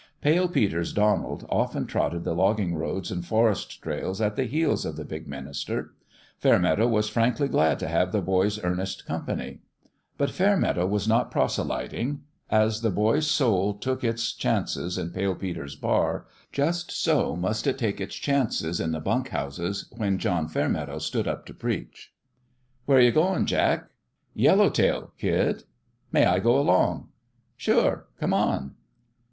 Pale Peter's Donald often trotted the logging roads and forest trails at the heels of the big minister. Fairmeadow was frankly glad to have the boy's earnest company. But Fairmeadow was not proselyting : as the boy's soul took its 152 FIST PLAY chances in Pale Peter's bar, just so must it take its chances in the bunk houses when John Fair meadow stood up to preach. "Where you going, Jack?" Yellow Tail, kid." "May I go along?" "Sure! Come on